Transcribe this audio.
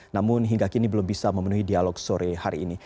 namun hingga kini belum bisa memenuhi dialog sore hari ini